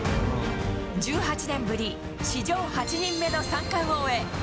１８年ぶり史上８人目の三冠王へ。